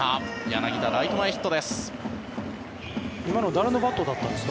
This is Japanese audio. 柳田、ライト前ヒットです。